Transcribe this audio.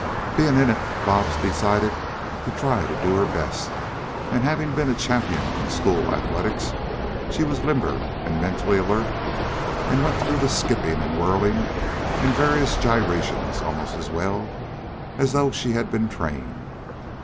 Being in it, Bobs decided to try to do her best, and, having been a champion in school athletics, she was limber and mentally alert and went through the skipping and whirling and various gyrations almost as well as though she had been trained.